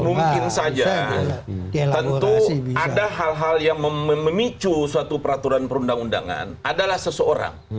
mungkin saja tentu ada hal hal yang memicu suatu peraturan perundang undangan adalah seseorang